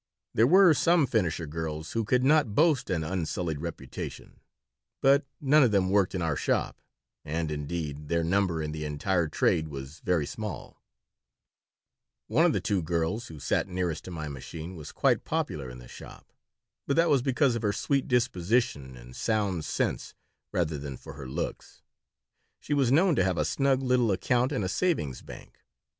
There were some finisher girls who could not boast an unsullied reputation, but none of them worked in our shop, and, indeed, their number in the entire trade was very small One of the two girls who sat nearest to my machine was quite popular in the shop, but that was because of her sweet disposition and sound sense rather than for her looks. She was known to have a snug little account in a savings bank.